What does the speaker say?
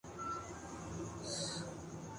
مینڈک کی طرح ہمیں اپنے چھوٹے کنوئیں میں